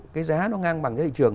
cái giá nó ngang bằng cái thị trường